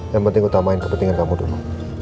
yang penting utamain kepentingan kamu dulu